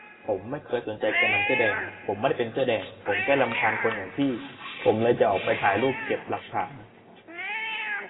ผมไม่เคยสนใจแกนนำเสื้อแดง ผมไม่ได้เป็นเสื้อแดง ผมแค่รำคาญคนอย่างพี่ ผมเลยจะออกไปถ่ายรูป เก็บหลักฐาน